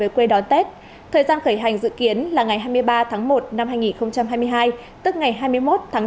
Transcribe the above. quê đón tết thời gian khởi hành dự kiến là ngày hai mươi ba tháng một năm hai nghìn hai mươi hai tức ngày hai mươi một tháng bốn